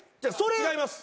違います。